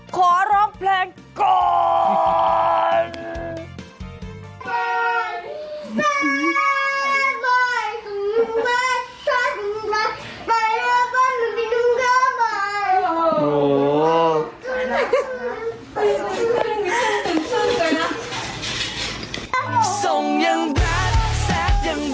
ขอร้องเพลงก่อน